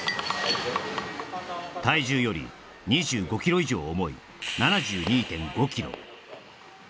体重より２５ｋｇ以上重い７２．５